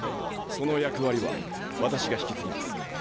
その役割は私が引き継ぎます。